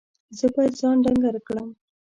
زه باید ځان ډنګر کړم.